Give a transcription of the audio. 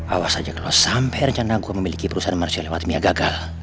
awas aja ke lo sampai rencana gue memiliki perusahaan marshal lewat mia gagal